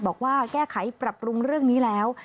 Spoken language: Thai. บอกว่าแก้ไขปรับปรุงเรื่องนี้แล้ว